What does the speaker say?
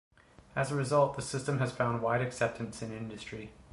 As a result, the system has found wide acceptance in industry.